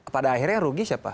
pada akhirnya rugi siapa